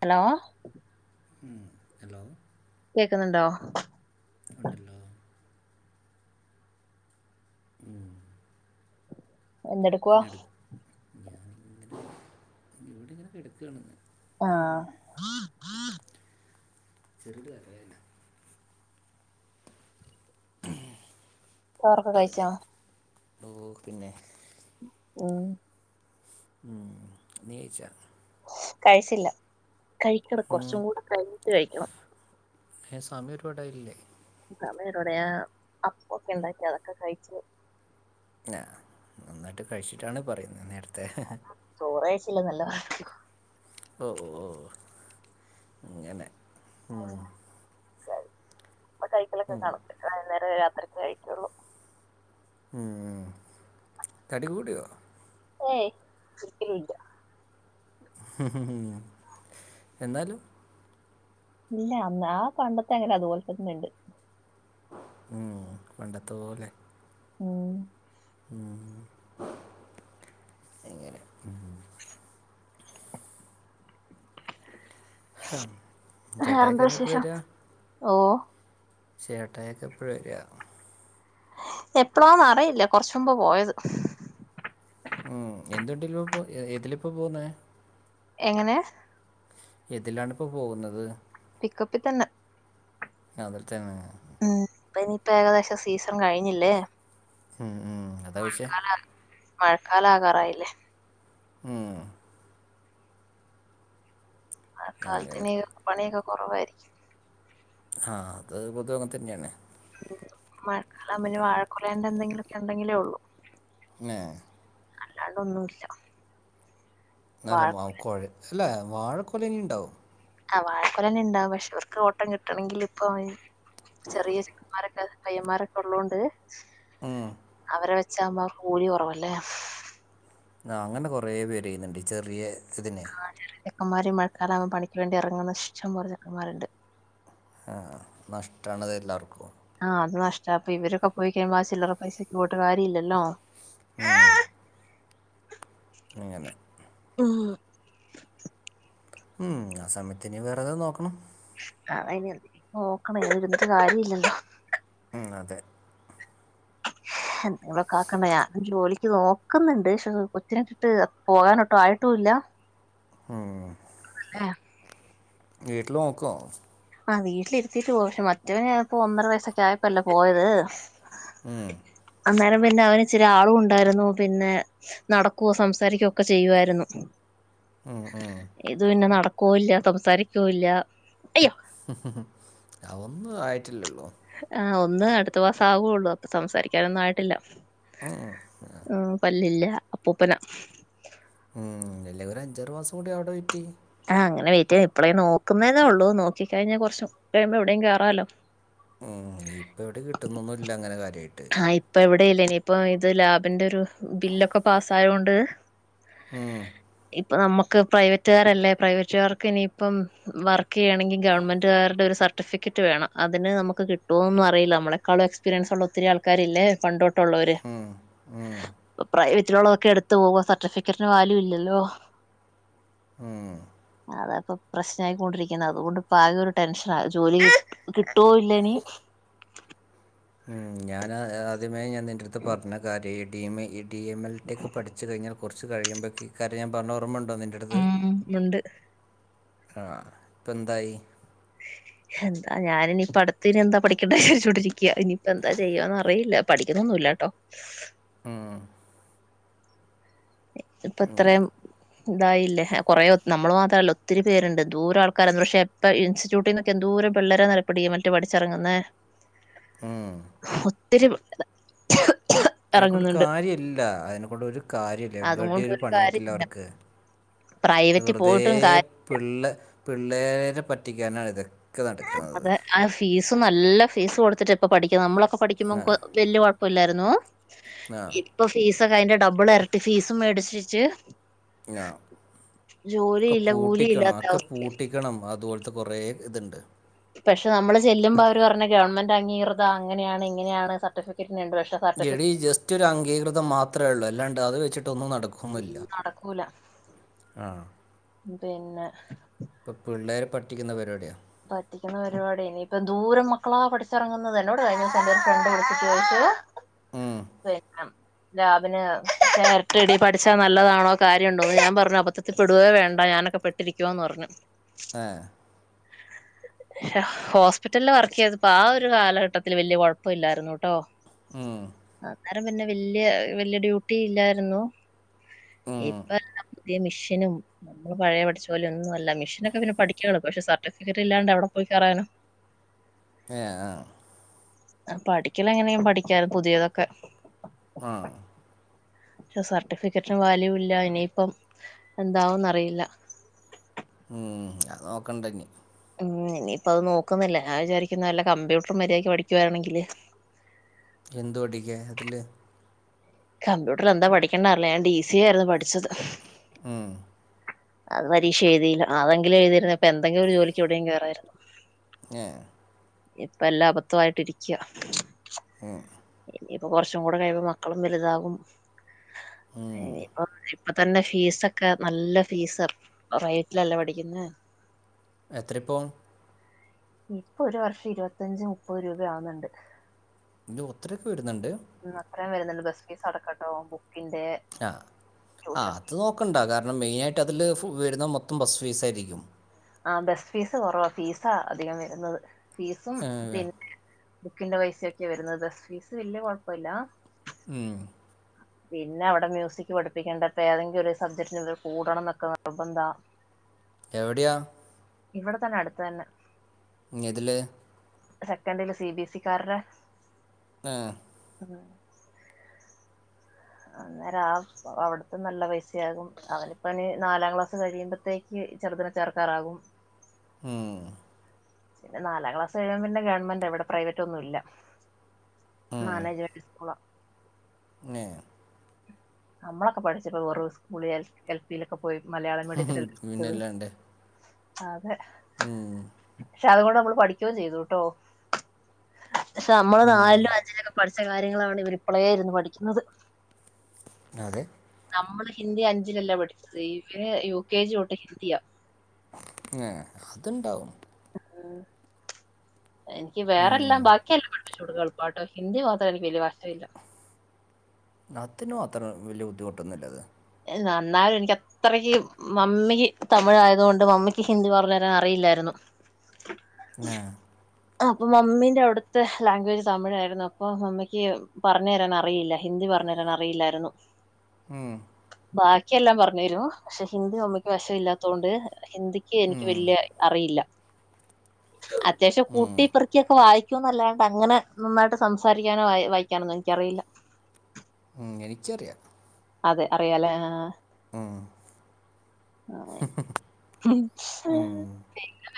Hello hello കേക്ക്ന്ന്ണ്ടോ ഉണ്ട്ല്ലോ ഉംഹ് എന്തെടുക്കുവാ [unintelligible] ഇവിടിങ്ങനെ കിടക്കാണ് ആ ചെറുക്കെ അരയണ്ട ചോറൊക്കെ കഴിച്ചോ ഓ പിന്നെ ഓ ഉം നീ കയിച്ചാ കഴിച്ചില്ല കഴിക്കണം കൊറച്ചും കൂടെ കഴിഞ്ഞട്ട് കഴിക്കണം ഏഹ് സമയ്‌ ഒരു പാടായില്ലേ സമയം ഒരുപാട് ആയി അപ്പൊക്കെ ഉണ്ടാക്കി അതൊക്കെ കഴിച്ച് ഞാ നന്നാട്ട് കഴിച്ചിട്ടാണ് പറയ്‌ന്നെ നേരത്തെ കൊറേഷില്ല ന്നല്ലഹ് ഓ ഓ ഓ അങ്ങനെ മ്മ്ഹ് ഇപ്പ കൈക്കലെക്കെ കണക്ക് വൈ നേരം വരെ രാത്രി മ് തടികൂടിയോ ഏയ് ഒരിക്കലും ഇല്ല എന്നാലും ഇല്ല അന്ന് ആ പണ്ടത്തെ എങ്ങനെ അതുപോലെ തന്നെ ഇണ്ട് ഉം പണ്ടത്തെപോലെ ഉം ഉ എങ്ങനെ ഹം. ചേട്ടായൊക്കെ വേറെന്താ വിശേഷം ഓ ചേട്ടായിയൊക്കെ എപ്പഴര്വ എപ്പോളാ റിയില്ല കൊറച്ചുമ്പ പോയത് ഉം എന്ത്‌വണ്ടിലപ്പോ എതിലിപ്പോ പോവുന്നേ എങ്ങനെ എതിലാണ് ഇപ്പോ പോകുന്നത് പിക്കപ്പി തന്നെ അതിൽ തന്നെ ഉം ഇപ്പ ഇനിയിപ്പ ഏകദേശം സീസൺ കഴിഞ്ഞില്ലേ ഉം ഉം അതാ വിശേ മഴക്കാലകാറായില്ലേ മ് എങ്ങനെ ആക്കാലത്തിനി പണിയൊ കൊറവായിരിക്കും ആ അത് പൊതു അങ്ങനെതന്നെയാണ് മഴകാലവു പിന്നെ വാഴക്കൊലേന്റെ എന്തെങ്കിലു ഒക്കെ ഒണ്ടെങ്കിലേ ഒള്ളൂ നെ അല്ലാണ്ടോന്നുല്ല നല്ല മാവ് കൊഴേ അല്ല വാഴക്കൊലനിണ്ടാവും ആ വാഴക്കൊലനിണ്ടാവും പക്ഷെ അവർക്ക് ഓട്ടം കിട്ടണെങ്കിൽ ഇപ്പൊ ചെറിയ ചെക്കമാരൊക്കെ പയ്യമാരൊക്കെ ഒള്ളോണ്ട് ഉം അവരെ വെച്ചാവുമ്പോ കൂലി കൊറവല്ലേ ആ അങ്ങനെ കൊറേപ്പേര്യ്യ്ന്ന്ണ്ട് ചെറിയെ സ്തിനെ ചെക്കമാര് മഴക്കാലാവു പണിക്ക് വേണ്ടി ഇറങ്ങുന്ന ശം പോലെ ചെക്കമാ രുണ്ട് ആ നഷ്ട്ടാണത് എല്ലാർക്കും ചെൽപ്പൊ ഇവരൊക്കെ പോയിക്കഴിയുമ്പോ ആ ചില്ലറ പൈസയ്ക്ക് പോയിട്ട് കാര്യയില്ലല്ലോ ഉം ഇങ്ങനെ മ് ഉം ആ സമയത്തിനി വേറെതേ നോക്കണം കറയിനി നോക്കണ വിടെരുന്നിട്ട് കാര്യയില്ലല്ലോ ഉം, അതെ ഇടെൊ കൊക്കണ്ട ഞാനും ജോലിക്ക് നോക്കുന്നുണ്ട് പക്ഷെ കൊച്ചിനെട്ടിട്ട് പോകാനൊട്ടും ആയിട്ടും ഇല്ല ഉം ആ വീട്ടില് നോക്കുവോ ആ വീട്ടിലിരുത്തിട്ട് പോ പക്ഷെ മറ്റവന് ഇപ്പോ ഒന്നര വയസ്സൊക്കെ ആയപ്പല്ലേ പോയത് ഉം അന്നേരം പിന്നെ അവന് ചില ആളും ഉണ്ടായിരുന്നു. പിന്നെ നടക്കുവോ സംസാരിക്കുവോ ഒക്കെ ചെയ്യുവായിരുന്നു ഇത് പിന്നെ നട [unintelligible] സംസാരിക്കൂല്ല അയ്യോ അതൊന്നും ആയിട്ടില്ലള്ളോ ആ ഒന്ന് അടുത്ത മാസ ആകുള്ളൂ അപ്പൊ സംസാരിക്കാനൊന്നും ആയിട്ടില്ല ഉം പല്ലില്ല അപ്പൂപ്പന ഉം അല്ല ഒരു അഞ്ചാറ് മാസം കൂടി അവിടെ വെയ്റ്റ് ചെയ്യ് ആ അങ്ങനെ വെയ്റ്റ് ഇപ്പളേ നോക്കുന്നേതേ ഉള്ളൂ നോക്കി കഴിഞ്ഞ കൊറച്ചു കഴിയുമ്പോ എവിടേയും കേയറാലോ ഉം ഇപ്പ എവിടെ കിട്ടുന്നൊന്നും ഇല്ല അങ്ങനെ കാര്യ ആ ഇപ്പൊ എവിടെ അടയില്ലേ ഇനിയിപ്പ ഇത് ലാബിന്റെ ഒരു ബില്ലൊക്കെ പാസ് ആയൊണ്ട് ഉം ഇപ്പം നമുക്ക് പ്രൈവറ്റുകാരല്ലേ പ്രൈവറ്റുകാർക്ക് ഇനിയിപ്പം വർക്ക് ചെയ്യണെങ്കിൽ ഗവൺമെൻറ്കാരുടെ ഒരു സർട്ടിഫിക്കറ്റ് വേണം. അതിന് നമുക്ക് കിട്ടുമോന്നും അറിയില്ല നമ്മളെക്കാളും എക്സ്പീരിയൻസ് ഉള്ള ഒത്തിരി ആൾക്കാർ ക്കാരില്ലേ പണ്ടോട്ട് ട്ടൊള്ളവര് പ്രൈവ [unintelligible] എടുത്ത പോവ സർട്ടിഫിക്കറ്റിന് വാല്യൂ ഇല്ലല്ലോ ഉം അതാ ഇപ്പം പ്രശ്ന ആയിക്കൊണ്ടിരിക്കുന്ന അതുകൊണ്ടിപ്പം ആകെ ഒരു ടെൻഷന ജോലി കിട്ടുവോ ഇല്ലനി ഉം ഞാൻ ആദ്യം അന്നേ ഞാൻ നിന്റെടുത്തു പറഞ്ഞ കാര്യമായിട്ട ടീമ ഇഡ് ഡി എം എൽ ടിക്ക് പഠിച്ചു കഴിഞ്ഞാൽ കുറച്ച് കഴിയ്പേക്ക് ഈ കാര്യം ഞാൻ പറഞ്ഞ ഓർമുണ്ടോ നിന്റെ അടുത്ത് ഉം ഉണ്ട് ആ ഇപ്പം എന്തായി എന്താ ഞാൻ ഇനിയിപ്പം അടുത്ത് ഇനി എന്താ പഠിക്കേണ്ട ചോദിച്ചോണ്ടിരിക്കുക. ഇനിയിപ്പ എന്താ ചെയ്യാന്ന് അറിയില്ല പഠിക്കുന്നൊന്നും. ഇല്ലട്ടോ ഉം ഇപ്പൊ ഇത്രയും ഇതായില്ലേ കുറേ നമ്മള് മാത്രമല്ല ഒത്തിരി പേരുണ്ട്. ദൂരം ആൾക്കാര പക്ഷെ എപ്പൊ ഇൻസ്റ്റിറ്റ്യൂട്ടിൽ നിന്നൊക്കെ എന്തൂരം പിള്ളേരാന്നറിവോ ഇപ്പം ഡി എം എൽ ടി പഠിച്ചിറങ്ങുന്നേ ഉം ഒത്തിരി അതിനെക്കൊണ്ട് ഇറങ്ങുന്നുണ്ട് കാര്യം ഇല്ല അതിനെകൊണ്ട് ഒരു കാര്യം ഇല്ല എവിടിം അതുകൊണ്ട് ഒരു പണി കാര്യം കിട്ടില്ല അവർക്ക് പ്രൈവറ്റിൽ വെറുതെ പോയിട്ടും കാര്യം പിള്ള പിള്ളേരെ പറ്റിക്കാനാണിത് അതെ ആ ഫീസ് നല്ല ഫീസ് കൊടുത്തിട്ട് ഇപ്പ പഠിക്കുന്നത് നമ്മള ക്കെ ആ പഠിക്കുമ്പോ വലിയ കുഴപ് പ്പ ല്ലായിരുന്നു ആ ഇപ്പൊ ഫീസ് അതിന്റെ ഡബിൾ ഇരട്ടി ഫീസും മേടിച്ചെച്ച് ആ ക്കെ കൂലിയില്ലാത്ത പൂട്ടിക്കണംഒക്കെ അവസ്ഥ പൂട്ടിക്കണം അതുപോല കുറേ ഇത്ണ്ട് പക്ഷെ നമ്മള് ചെല്ലുമ്പോ അവര് പറഞ്ഞ ഗവൺമെന്റ് അംഗീകൃത അങ്ങനെയാണ് ഇങ്ങനെയാണ് സർട്ടിഫിക്കറ്റ് പക്ഷെ എടീ ജസ്റ്റ് ഒരു അംഗീകൃതം മാത്രേ ഉള്ളൂ അല്ലാണ്ട് അത് വെച്ചിട്ടൊന്നും നടക്കുന്നില്ല നടക്കൂല [inaudible] ആ പിന്ന ഇപ്പൊ പിള്ളേരെ പറ്റിക്കുന്ന പരിപാടിയാ പറ്റിക്കുന്ന പരിപാടിനി ഇപ്പം എന്തൂരം മക്കളാ പഠിച്ചിറങ്ങുന്നത് എന്നോട് കഴിഞ്ഞ ദിവസം എന്റെ ഒരു ഫ്രണ്ട് വിളിച്ചിട്ട് ഉം, ഏഹ് പിന്ന ഞാൻ പിന്ന നേരട്ടടി പഠിച്ചാ നല്ലതാണോ കാര്യംണ്ടോന്ന് ഞാൻ പറഞ്ഞു അബദ്ധത്തിൽപ്പെടുകയേ വേണ്ട ഞാനൊക്കെ പെട്ടിരിക്കുവാന്ന് പറഞ്ഞു ആഹ് ഹോസ്പിറ്റലില് വർക്ക് ചെയ്തപ്പോ ആ ഒരു കാലഘട്ടത്തിൽ വലിയ ഒരു കുഴപ്പമില്ലായിരുന്നുട്ടോ ഉം ആരും പിന്നെ വല്ല്യ വല്ല്യ ഡ്യൂട്ടി ഇല്ലായിരുന്നു ഉം, ഇപ്പം [unintelligible] പുതിയ മെഷീനും നമ്മൾ പഴയ പഠിച്ച പോലെ ഒന്നുംമല്ല മെഷീനൊക്കെ പിന്നെ പഠിക്കാൻ എളുപ്പ പക്ഷെ സർ സർട്ടിഫിക്കറ്റ് ഇല്ലാണ്ട് എവിടെ പോയി കേറാനാ [unintelligible] ആഹ് ആ പഠിക്കല് എങ്ങനെയും പഠിക്കാം പുതിയതൊക്കെ ആഹ് [unintelligible] സർട്ടിഫിക്കറ്റിന് വാല്യൂ ഇല്ല ഇനിയിപ്പം എന്താവോന്നറിയില്ല ഉം അത് നോക്കണ്ട ഇന്നി ഉം ഇനിയിപ്പ അത് നോക്കുന്നില്ല ഞാൻ വിചാരിക്കുന്ന വല്ല കമ്പ്യൂട്ടറും മര്യാക്ക് പഠിക്കുയാണെങ്കില് എന്തു പഠിക്കാൻ അതില് കമ്പ്യൂട്ടർ എന്താ പഠിക്കണ്ടാലേ ഞാൻ ഡി സി എ ആയിരുന്നു പഠിച്ചത് ഉം അത് പരീക്ഷ എഴുതിയില്ല അതെങ്കിലും എഴുതിയിരുന്നെ പ്പെ എന്തെങ്കിലും ഒരു ജോലിക്ക് എവിടെയെങ്കിലും കേറായിരുന്നു ഞേ ഇപ്പ എല്ലാം അബദ്ധായിട്ട് ഇരിക്യാ ഉം കൊറച്ചും കൂടി കഴിയുമ്പോ മക്കളൊക് വലുതാകും ഇനിയിപ്പ ഇപ്പൊ തന്നെ ഫീസൊക്കെ നല്ല ഫീസ റേറ്റിലല്ലേ പഠിക്കുന്നെ എത്രയിപ്പോ ഇപ്പൊ ഒരു വർഷം ഇരുപത്തഞ്ച് മുപ്പത് രൂപയാവുന്നുണ്ട് ഇന്ന് ഒത്തിരിയൊക്കെ വരുന്നുണ്ട് ഇത്രേം വരുന്നുണ്ട് ബസ്സ് ഫീസ് അടക്കട്ടോ ബുക്കിന്റെ ആ ആ ട്യൂഷൻ അത് നോക്കണ്ട കാരണം മേയ്നായിട്ട് അതില് വരുന്ന മൊത്തം ബസ്സ് ഫീസായിരിക്കും ആ ബസ്സ് ഫീസ് കുറവാ ഫീസാ അധികം വരുന്നത് ഫീസും ഏ, പിന്നെ ബുക്കിൻ്റെ പൈസയൊക്കെ വരുന്നത് ഫീസ് വല്യ കൊഴുപ്പൂല ഉം പിന്നെ അവിടെ മ്യൂസിക് പഠിപ്പിക്കേണ്ട അപ്പ ഏതെങ്കിലും ഒരു സബ്ജക്റ്റിനു കൂടണം എന്നൊക്കെ നിർബന്ധാ എവിടെയ ഇവിടെ തന്നെ അടുത്ത് തന്നെ എതിലെ സെക്കൻഡില് സി ബി എസ് ഇ ക്കാരത ആഹ് ഉം അന്നേരം ആ അവിടത്തെ നല്ല പൈസയാകും അവനിപ്പ ഇനി നാലാം ക്ലാസ് കഴിയുമ്പത്തേക്ക് ചെറുതിന് ചേർക്കാറാകും ഉം പിന്നെ നാലാം ക്ലാസ് കഴിഞ്ഞ പിന്നെ ഗവണ്മെൻ്റ ഇവിടെ പ്രൈവറ്റ് ഒന്നും ഇല്ല മാനേജ്മെൻ്റ് സ്കൂളാ ഏഹ് നമ്മളൊക്കെ പഠിച്ചപ്പോ ഓരോ സ്കൂളിൽ എൽ പി ല് ഒക്കെ പോയി മലയാളം ഉം, പഠിച്ചട്ടു [unintelligible] പിന്നല്ലാണ്ട് ആഹ് ഉം പക്ഷെ അതുകൊണ്ട് നമ്മള് പഠിക്കുകയും ചെയ്തൂട്ടോ പക്ഷെ നമ്മള് ഉം, നാലിലും അഞ്ചിലും പഠിച്ച ച്ച കാര്യങ്ങളാണ് ഇവര് ഇപ്പളേ ഇരുന്ന് പഠിക്കുന്നത് ഉം അതെ നമ്മള് ഹിന്ദി അഞ്ചിലല്ലേ പഠിച്ചത് ഇവര് യു കെ ജി തൊട്ട് ഹിന്ദിയ ഏഹ് അതുണ്ടാവും ഉം എനിക്ക് വേറെല്ലാം ബാക്കിയെല്ലാം കൊഴപ്പൂല [unintelligible] പാട്ട് ഹിന്ദി മാത്രം എനിക്ക് വല്യ വശം ഇല്ല അതിനു അത്ര വല്യ ബുദ്ധിമുട്ടൊന്നുമില്ല അത് നന്നായി എനിക്ക് അത്രക്ക് മമ്മിക്ക് തമിഴായത് കൊണ്ട് മമ്മിക്ക് ഹിന്ദി പറഞ്ഞു തരാൻ അറിയില്ലായിരുന്നു ഏഹ് അപ്പൊ മമ്മിയിൻ്റെ അവിടത്തെ ലാംഗ്വേജ് തമിഴായിരുന്നപ്പൊ മമ്മിക്ക് പറഞ്ഞു തരാൻ അറിയില്ല ഹിന്ദി പറഞ്ഞ് തരാൻ അറിയില്ലായിരുന്നു ഉം ബാക്കിയെല്ലാം പറഞ്ഞു തരും പക്ഷെ ഹിന്ദി മമ്മിക്ക് വിശം ഇല്ലാത്തതുകൊണ്ട് ഹിന്ദിക്ക് എനിക്ക് വല്യ അറിയില്ല അത്യാവശ്യം കൂട്ടിപ്പറക്കൊക്കെ വായി ന്നല്ലാണ്ട് അങ്ങനെ നന്നായിട്ട് സംസാരിക്കാനോ വായിക്കാനോന്നും എനിക്കറിയില്ല ഉം എനിക്കറിയ അതെ അറിയാലേ ആ ആ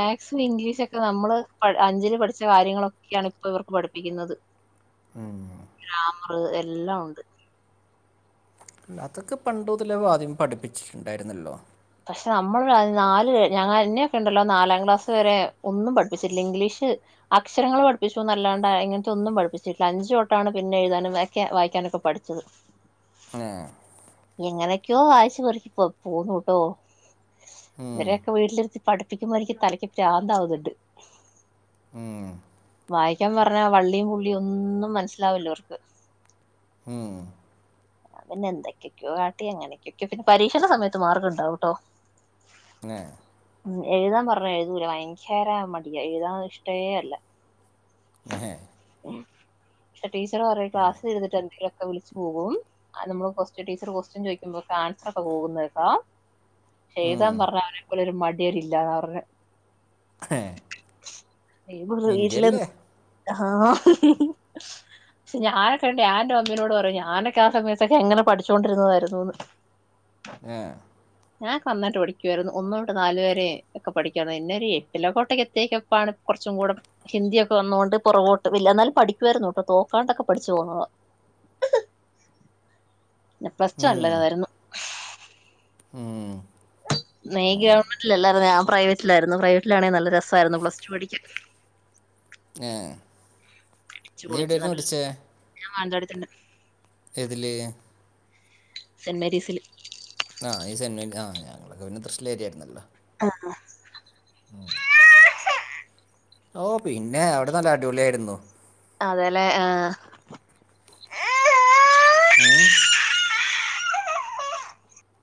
ആ ഇംഗ്ലീഷൊക്കെ നമ്മള് അഞ്ചില് പഠിച്ച കാര്യങ്ങളൊക്കെയാണ് ഇപ്പൊ ഇവർക്ക് പഠിപ്പിക്കുന്നത് ഉ ഗ്രാമർ എല്ലാം ഉണ്ട് അതൊക്കെ പണ്ടുതലേ വാദ്യം പഠിപ്പിച്ചിട്ടുണ്ടായിരുന്നല്ലോ പക്ഷെ നമ്മൾ നാല് ഞങ്ങന്നെയൊക്കെ ഉണ്ടല്ലോ നാലാം ക്ലാസ് വരെ ഒന്നും പഠിപ്പിച്ചിട്ടില്ല ഇംഗ്ലീഷ് അക്ഷരങ്ങൾ പഠിപ്പിച്ചുന്നല്ലാണ്ട് ഇങ്ങനത്തെ ഒന്നും പഠിപ്പിച്ചിട്ടില്ല അഞ്ചു തൊട്ടാണ് പിന്നെ എഴുതാനും ഒക്കെ വായിക്കാനൊക്കെ പഠിച്ചത് മ എങ്ങനെയൊക്കെയോ വായിച്ചു പറക്കിപ്പോ പോന്നട്ടോ ഉം, ഇവരൊക്കെ വീട്ടിലിരുത്തി പഠിപ്പിക്കുമ്പോ എനിക്ക് തലക്ക് പ്രാന്ത വുന്നുണ്ട് ഉം വായിക്കാൻ പറഞ്ഞ വള്ളിയും പുള്ളിയും ഒന്നും മനസ്സിലാവല്ലോ ഇവർക്ക് ഹം ഞാൻ പിന്നെ എന്തൊക്കെയൊക്കോ കാട്ടി അങ്ങനെയക്കൊക്കോ പിന്നെ പരീക്ഷടെ സമയത്ത് മാർക്കുണ്ടാവുട്ടോ ങേ ഉം എഴുതാൻ പറഞ്ഞാൽ എഴുതൂല ഭയങ്കര മടിയ എഴുതാൻ ഇഷ്ടേ അല്ല നെഹെ ശ ടീച്ചർ പറഞ്ഞ് ക്ലാസ്സിൽഇരുന്നിട് എന്തക്കയോ ഒക്കെ വിളിച്ച് പോകും ആ നമ്മള് ടീച്ചർ ക്യുഎസ്ടിയൻ ചോദിക്കുമ്പോക്കെ ആൻസർ ഒക്കെ പോകുന്നേക്കോ ചെയ്താന്ന് പറഞ്ഞ അവനെ പോലൊരു മടി രില്ലാത അവരുടെ [inaudible] ഹഏ നടു വീട്ടിലന്ന് [inaudible] ആഹ ഹ ഹ പക്ഷെ ഞാനൊക്കെ ഉ റെ അമ്മീനോട് പറു ഞാനൊക്കെ [inaudible] ആ സമയൊക്കെ എങ്ങനെ പഠിച്ചൊണ്ടിരുന്നതായിരുന്നുന്ന് ഏഹ് ഞാൻ നന്നാട്ട് പഠിക്കുവായിരുന്നു ഒന്നോട്ട് നാല് വരെ ഒക്കെ പഠിക്കു ഇന്നൊരു എട്ടിലൊക്കോട്ടക്ക എത്തിക്കപ്പാണ് കുറച്ചും കൂടെ ഹിന്ദിയൊക്കെ വന്ന കൊണ്ട് പുറകോട്ട് ഇല്ല എന്നാലും പഠിക്കുവായിരുന്നു ട്ടോ തോക്കാണ്ടൊക്കെ പഠിച്ചു പോന്നത [inaudible] പ്ലസ്ടു ഉം, നല്ലതായിരുന്നു ഉം നീ അങ്ങനെ ഗവൺമെന്റിലല്ലായിരുന്നു ഞാൻ പ്രൈവറ്റിലായിരുന്നു പ്രൈവറ്റിലാണെങ്കിൽ നല്ല രസായിരുന്നു പ്ലസ് ടു പഠിക്കാൻ ഏ നീ എവിടായിരുന്നു പടിച്ചേ ആ എന്റെ അടുത്തിണ്ട് ഇതിലി സെന്റ് മേരീസില് ആ ഈ സെന്മ ആ ഞങ്ങളൊക്കെ പിന്നെ തശ്ശൂരിലായായിരുന്നല്ലോ ആഹ ഉം ഓ പിന്നെ അവിടെ നല്ല അടിപൊളിയായിരുന്നു അതേലെ ആ ഹെയെ ആഏ [inaudible]